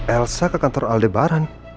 elsa ke kantor aldebaran